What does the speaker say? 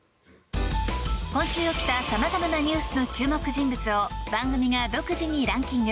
今週起きたさまざまなニュースの注目人物を番組が独自にランキング。